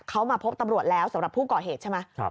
เขามาพบตำรวจแล้วสำหรับผู้ก่อเหตุใช่ไหม